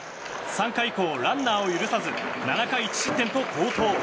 ３回以降、ランナーを許さず７回１失点と好投。